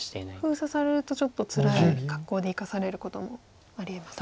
封鎖されるとちょっとつらい格好で生かされることもありえますか。